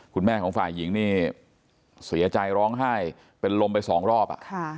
คุณแม่ของฝ่ายหญิงนี่เสียใจร้องไห้เป็นลมไปสองรอบ